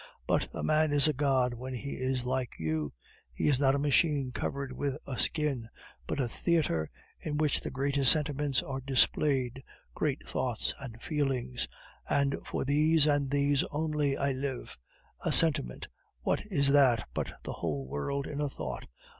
But a man is a god when he is like you; he is not a machine covered with a skin, but a theatre in which the greatest sentiments are displayed great thoughts and feelings and for these, and these only, I live. A sentiment what is that but the whole world in a thought?